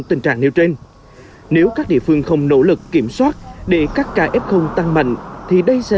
tình trạng nêu trên nếu các địa phương không nỗ lực kiểm soát để các ca f tăng mạnh thì đây sẽ